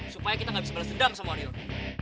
supaya kita gak bisa balas dendam sama orion